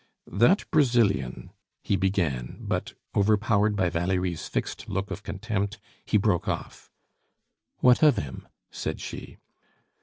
"That Brazilian " he began, but, overpowered by Valerie's fixed look of contempt, he broke off. "What of him?" said she.